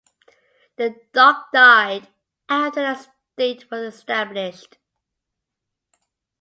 The dog died after the state was established.